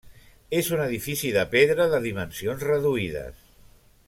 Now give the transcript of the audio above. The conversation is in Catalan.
És un edifici de pedra de dimensions reduïdes.